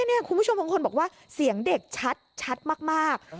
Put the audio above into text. คุณผู้ชมบางคนบอกว่าเสียงเด็กชัดมาก